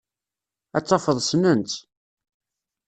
Ad tafeḍ ssnen-tt.